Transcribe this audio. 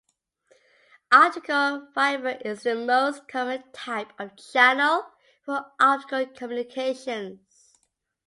Optical fiber is the most common type of channel for optical communications.